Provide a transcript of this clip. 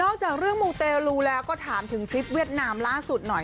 จากเรื่องมูเตรลูแล้วก็ถามถึงทริปเวียดนามล่าสุดหน่อย